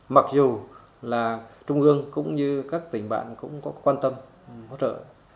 mặc dù là trung ương cũng như các tỉnh bạn cũng có quan tâm hỗ trợ